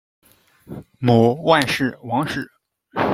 母万氏；王氏。